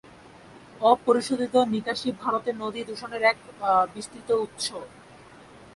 অপরিশোধিত নিকাশী ভারতে নদী দূষণের এক বিস্তৃত উত্স।